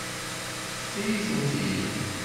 Teṭṭfeḍ-iyi-tent-id.